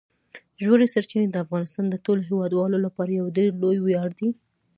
ژورې سرچینې د افغانستان د ټولو هیوادوالو لپاره یو ډېر لوی ویاړ دی.